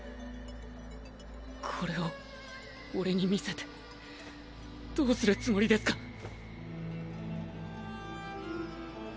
これをオレに見せてどうするつもりですか？